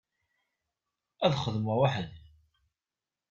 Ad xedmeɣ weḥd-i.